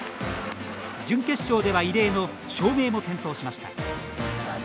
準決勝では異例の照明も点灯しました。